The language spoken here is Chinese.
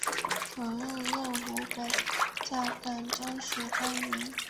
同年任湖北孝感专署专员。